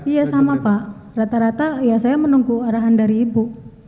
iya sama pak rata rata ya saya menunggu arahan dari ibu